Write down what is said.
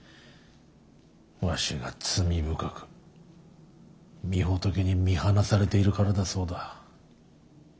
わしが罪深く御仏に見放されているからだそうだ。